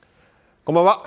こんばんは。